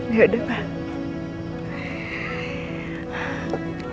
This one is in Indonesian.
ya udah pak